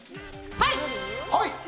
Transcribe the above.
はい！